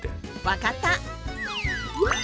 分かった。